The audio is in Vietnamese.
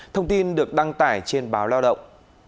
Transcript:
thông tin được đăng tải trên báo lao động